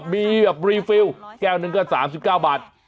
มีแบบรีฟิลแก้วหนึ่งก็๓๙บาท